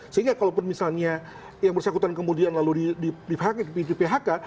sehingga kalau misalnya yang bersyakutan kemudian lalu dipanggil phk